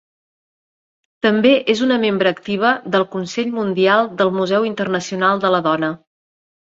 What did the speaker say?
També és una membre activa del Consell Mundial del Museu Internacional de la Dona.